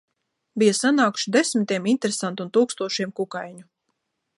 Bija sanākuši desmitiem interesentu un tūkstošiem kukaiņu.